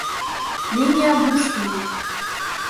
Линия буш түгел